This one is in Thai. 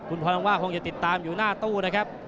คุณพรังว่าคงจะติดตามอยู่หน้าตู้นะครับ